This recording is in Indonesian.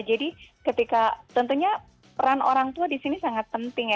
jadi ketika tentunya peran orang tua disini sangat penting ya